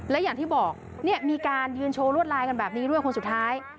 และอย่างที่บอกเนี่ยมีการยืนโชว์รวดลายกันแบบนี้ด้วยคนสุดท้าย